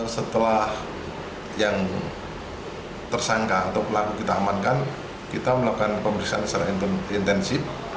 setelah yang tersangka atau pelaku kita amankan kita melakukan pemeriksaan secara intensif